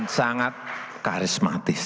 dan sangat karismatis